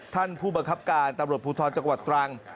ท่านผู้บังคับการตำรวจภูทรจังหวัดตรัง